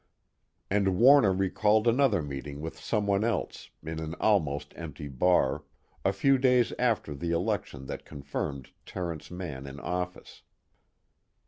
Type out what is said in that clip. And Warner recalled another meeting with someone else, in an almost empty bar, a few days after the election that confirmed Terence Mann in office.